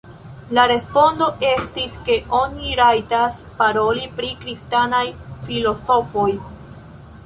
La respondo estis ke oni rajtas paroli pri kristanaj filozofoj.